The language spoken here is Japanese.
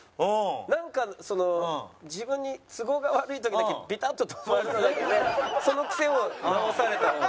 なんかその自分に都合が悪い時だけビタッと止まるのだけねそのクセを直された方が。